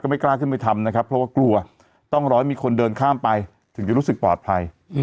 ไม่กล้าขึ้นไปทำนะครับเพราะว่ากลัวต้องรอให้มีคนเดินข้ามไปถึงจะรู้สึกปลอดภัย